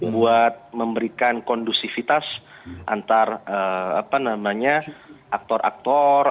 buat memberikan kondusivitas antar aktor aktor